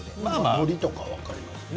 のりとか分かりますね。